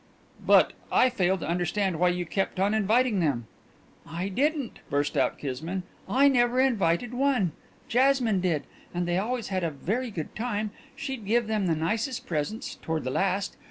"But I fail to understand why you kept on inviting them!" "I didn't," burst out Kismine. "I never invited one. Jasmine did. And they always had a very good time. She'd give them the nicest presents toward the last.